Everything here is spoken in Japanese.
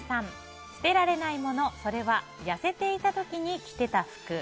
捨てられないものそれは痩せていた時に着てた服。